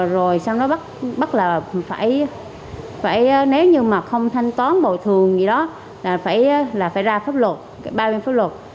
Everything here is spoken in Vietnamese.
rồi xong rồi bắt là phải nếu như mà không thanh toán bồi thường gì đó là phải ra pháp luật ba bên pháp luật